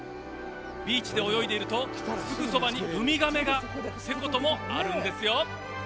ビーチで泳いでいるとすぐそばにウミガメがってこともあるんですよ。